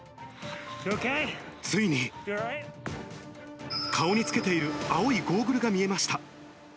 ついに、顔につけている青いゴーグルが見えました。